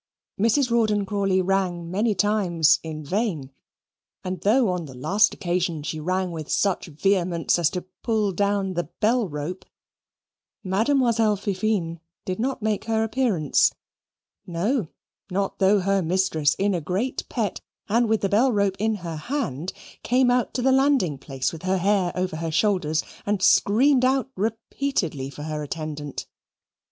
Mrs. Rawdon Crawley rang many times in vain; and though, on the last occasion, she rang with such vehemence as to pull down the bell rope, Mademoiselle Fifine did not make her appearance no, not though her mistress, in a great pet, and with the bell rope in her hand, came out to the landing place with her hair over her shoulders and screamed out repeatedly for her attendant.